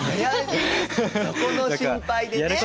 そこの心配でね！？